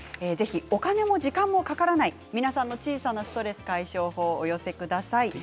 お金も時間もかからない小さなストレス解消法をお寄せください。